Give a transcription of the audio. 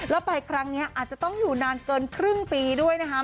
แล้วไปครั้งนี้อาจจะต้องอยู่นานเกินครึ่งปีด้วยนะคะ